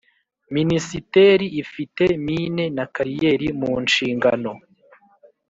Minisiteri ifite mine na kariyeri mu nshingano